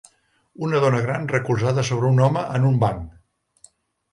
Una dona gran recolzada sobre un home en un banc.